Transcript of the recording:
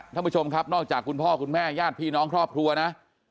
ท่านผู้ชมครับนอกจากคุณพ่อคุณแม่ญาติพี่น้องครอบครัวนะ